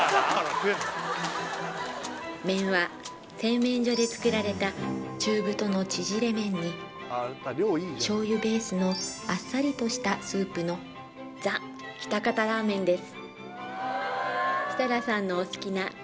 麺は製麺所で作られた中太の縮れ麺に醤油ベースのあっさりとしたスープのザ・喜多方ラーメンです